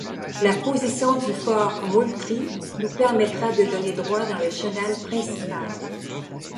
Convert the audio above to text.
La position du fort Moultrie nous permettra de donner droit dans le chenal principal.